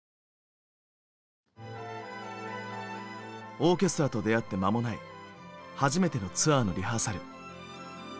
オーケストラと出会って間もない初めてのツアーのリハーサル。